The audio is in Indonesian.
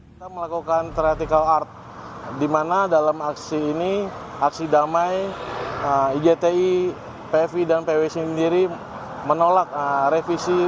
kita melakukan tratical art di mana dalam aksi ini aksi damai igti pfi dan pwc sendiri menolak revisi